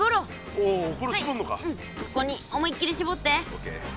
ここに思いっきりしぼって。